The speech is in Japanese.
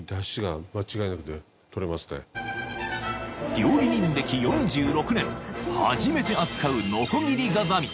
［料理人歴４６年初めて扱うノコギリガザミ］